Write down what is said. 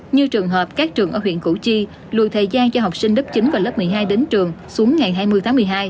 như trường hợp các trường ở huyện củ chi lùi thời gian cho học sinh lớp chín và lớp một mươi hai đến trường xuống ngày hai mươi tháng một mươi hai